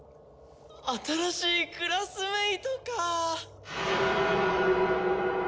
新しいクラスメートか。